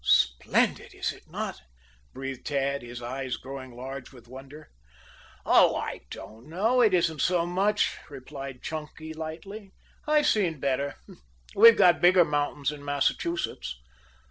"Splendid, is it not?" breathed Tad, his eyes growing large with wonder. "Oh, I don't know. It isn't so much," replied Chunky lightly. "I've seen better. We've got bigger mountains in Massachusetts."